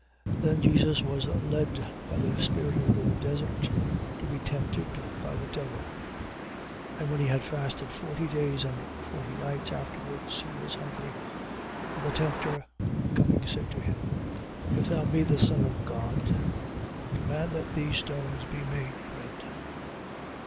4:1. Then Jesus was led by the spirit into the desert, to be tempted by the devil. 4:2. And when he had fasted forty days and forty nights, afterwards he was hungry. 4:3. And the tempter coming said to him: If thou be the Son of God, command that these stones be made bread.